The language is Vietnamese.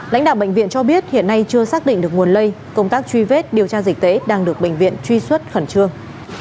lãnh đạo bệnh viện cho biết hiện nay chưa xác định được nguồn lây công tác truy vết điều tra dịch tễ đang được bệnh viện truy xuất khẩn trương